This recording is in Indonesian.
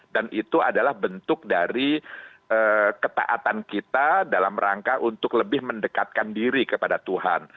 dan itu adalah bentuk dari ketaatan kita dalam rangka untuk lebih mendekatkan diri kepada tuhan